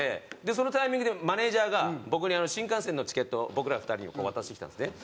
そのタイミングでマネジャーが僕に新幹線のチケットを僕ら２人に渡してきたんですね。